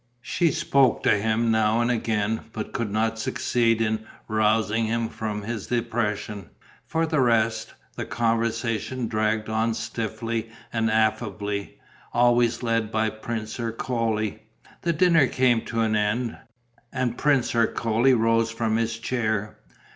She spoke to him now and again, but could not succeed in rousing him from his depression. For the rest, the conversation dragged on stiffly and affably, always led by Prince Ercole. The dinner came to an end; and Prince Ercole rose from his chair.